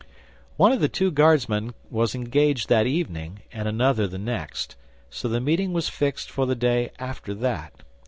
One of the two Guardsmen was engaged that evening, and another the next, so the meeting was fixed for the day after that.